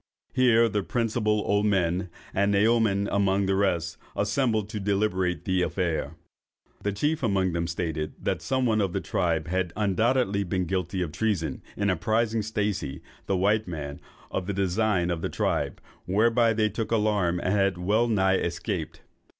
Here the principal old men, and Naoman among the rest, assembled to deliberate on the affair. The chief among them stated that some one of the tribe had undoubtedly been guilty of treason, in apprising Stacey, the white man, of the designs of the tribe, whereby they took the alarm, and had well nigh escaped.